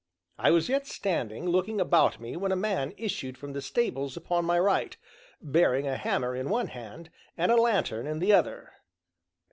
I was yet standing looking about me when a man issued from the stables upon my right, bearing a hammer in one hand and a lanthorn in the other.